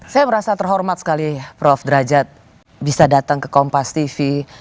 saya merasa terhormat sekali prof sudrajat bisa datang ke kompastv